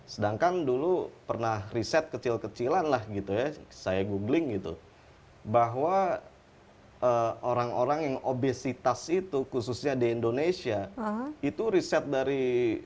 sedangkan dulu pernah riset kecil kecilan lah gitu ya saya googling gitu bahwa orang orang yang obesitas itu khususnya di indonesia itu riset dari